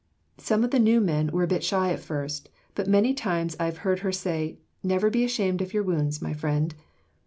Some of the new men were a bit shy at first, but many a time I've heard her say, 'Never be ashamed of your wounds, my friend.'"